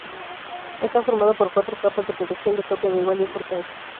Está formado por cuatro capas de protección de copia de igual importancia.